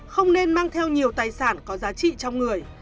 không nên mang theo nhiều tài sản có giá trị trong người